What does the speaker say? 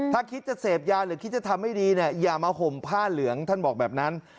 ถ้าคิดจะเสพยาหรือคิดจะทำไม่ดีเนี่ยอย่ามาห่มผ้าเหลืองท่านบอกแบบนั้น